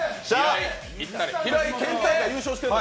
平井、県大会優勝してるの？